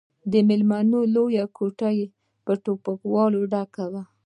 د ميلمنو لويه کوټه يې په ټوپکوالو ډکه وه.